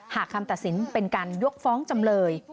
หากคำตัดสินเป็นการยกฟ้องจำเลย